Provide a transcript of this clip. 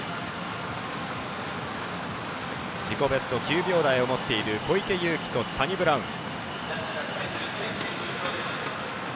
自己ベスト９秒台を持っている小池祐貴とサニブラウン。